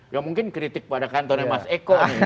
ya mungkin kritik pada kantornya mas eko